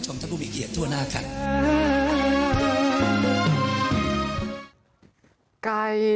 ต้องแบบนี้ต้องกล้มลงไป